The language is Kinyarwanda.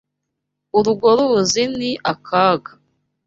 Urwo ruzi ni akaga.